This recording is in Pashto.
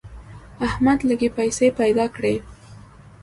احمد لږې پیسې پیدا کړې.